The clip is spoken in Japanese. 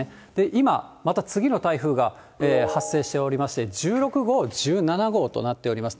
今、また次の台風が発生しておりまして、１６号、１７号となっております。